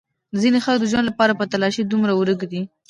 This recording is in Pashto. ځینې خلک د ژوند لپاره په تلاش کې دومره ورک دي.